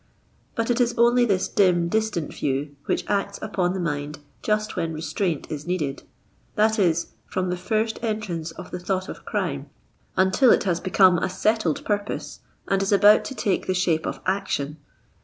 But it is only this dim, distant view which acts upon the mind just when restraint is needed ; that is, from the first en trance of the thought of crime until it has become a settled purpose, and is about to take the shape of action.